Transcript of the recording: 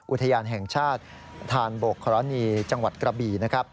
อุทยานแห่งชาติธานบกครณีจังหวัดกระบีนะครับ